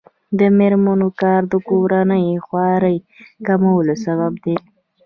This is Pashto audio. د میرمنو کار د کورنۍ خوارۍ کمولو سبب دی.